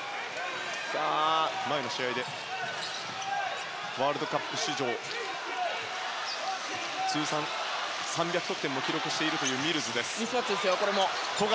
前の試合でワールドカップ史上通算３００得点も記録しているというミルズです。